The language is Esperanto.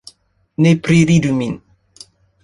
Ne priridu min